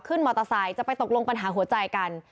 มอเตอร์ไซค์จะไปตกลงปัญหาหัวใจกัน